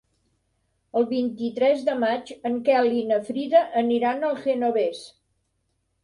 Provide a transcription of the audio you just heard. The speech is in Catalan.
El vint-i-tres de maig en Quel i na Frida aniran al Genovés.